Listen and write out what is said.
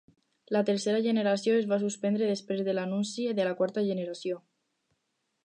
La tercera generació es va suspendre després de l'anunci de la quarta generació.